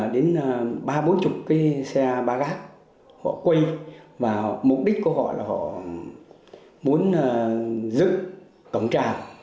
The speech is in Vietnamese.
đến ba bốn mươi cái xe ba gác họ quay và mục đích của họ là họ muốn giữ tổng trào